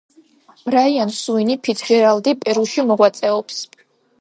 ბრაიან სუინი ფიცჯერალდი პერუში მოღვაწეობს.